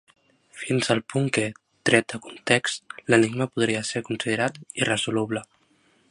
Fins al punt que, tret de context, l'enigma podria ser considerat irresoluble.